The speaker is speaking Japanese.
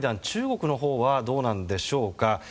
中国のほうはどうなんでしょうか。